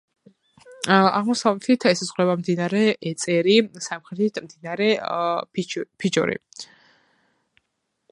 აღმოსავლეთით ესაზღვრება მდინარე ეწერი, სამხრეთით მდინარე ფიჩორი.